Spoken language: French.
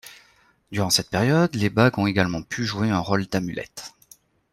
Durant cette période, les bagues ont également pu jouer un rôle d'amulette.